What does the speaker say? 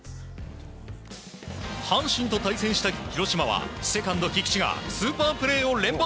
阪神と対戦した広島はセカンド、菊池がスーパープレーを連発。